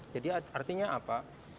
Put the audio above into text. jadi artinya apa